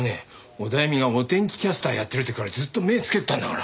オダエミがお天気キャスターやってる時からずっと目付けてたんだから。